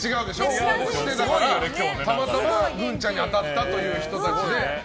応募してだからたまたまグンちゃんに当たったという人たちで。